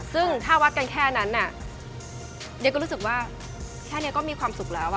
ซึ่งถ้าวัดกันแค่นั้นเดี๋ยวก็รู้สึกว่าแค่นี้ก็มีความสุขแล้ว